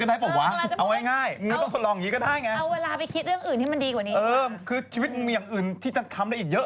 ความเกรียดบางทีไม่ได้